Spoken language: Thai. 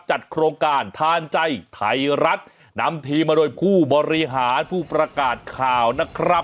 จัดโครงการทานใจไทยรัฐนำทีมมาโดยผู้บริหารผู้ประกาศข่าวนะครับ